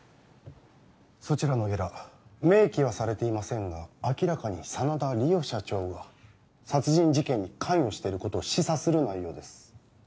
そちらのゲラ明記はされていませんが明らかに真田梨央社長が殺人事件に関与していることを示唆する内容です